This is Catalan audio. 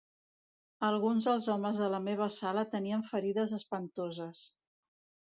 Alguns dels homes de la meva sala tenien ferides espantoses